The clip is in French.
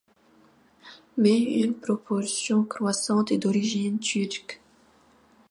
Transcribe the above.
Mais une proportion croissante est d'origine turque.